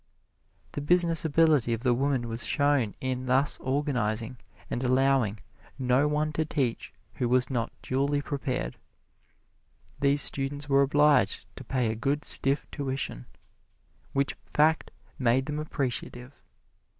The business ability of the woman was shown in thus organizing and allowing no one to teach who was not duly prepared. These students were obliged to pay a good stiff tuition, which fact made them appreciative.